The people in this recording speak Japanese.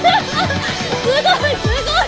すごいすごい！